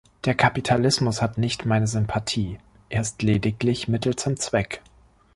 Der Kapitalismus hat nicht meine Sympathie, er ist lediglich Mittel zum Zweck.